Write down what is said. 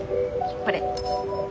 これ。